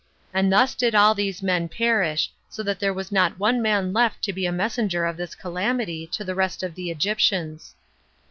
And thus did all these men perish, so that there was not one man left to be a messenger of this calamity to the rest of the Egyptians.